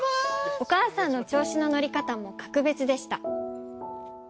お母さんの調子の乗り方も格別でした。